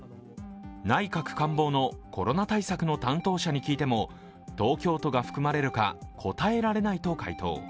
内閣官房のコロナ対策の担当者に聞いても東京都が含まれるか、答えられないと回答。